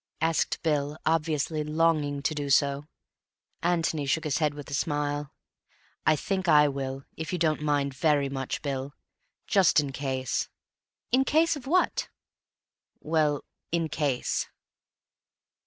asked Bill, obviously longing to do so. Antony shook his head with a smile. "I think I will, if you don't mind very much, Bill. Just in case." "In case of what?" "Well, in case."